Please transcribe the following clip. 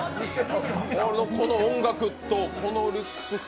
この音楽と、このルックス。